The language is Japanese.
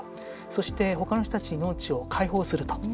そして、ほかの人たちに農地を開放すると。